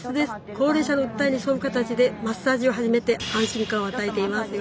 高齢者の訴えに沿う形でマッサージを始めて安心感を与えていますよ。